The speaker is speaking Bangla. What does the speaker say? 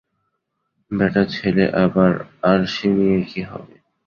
বেটা ছেলে আবার আরশি নিয়ে কি হবে?